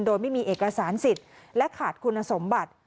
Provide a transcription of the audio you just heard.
โดยไม่มีเอกสารสิทธิ์และขาดคุณสมบัติ